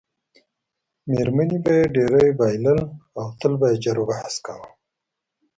میرمنې به یې ډېری بایلل او تل به یې جروبحث کاوه.